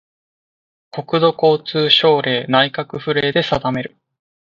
国土交通省令・内閣府令で定める